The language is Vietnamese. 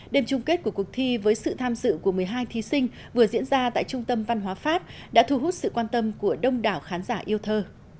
đêm chung kết của cuộc thi với sự tham dự của một mươi hai thí sinh vừa diễn ra tại trung tâm văn hóa pháp đã thu hút sự quan tâm của đông đảo khán giả yêu thơ